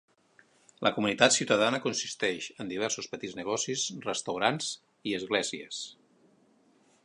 La comunitat ciutadana consisteix en diversos petits negocis, restaurants i esglésies.